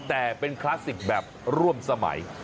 แต่เป็นคลาสสิกแบบร่วมสมัย